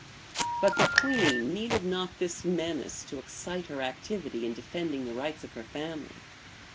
But the queen needed not this menace to excite her activity in defending the rights of her family.